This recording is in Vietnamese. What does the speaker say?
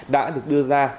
đã được đưa ra